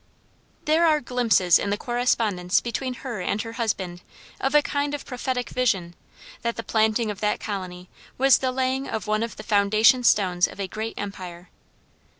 There are glimpses in the correspondence between her and her husband of a kind of prophetic vision, that the planting of that colony was the laying of one of the foundation stones of a great empire.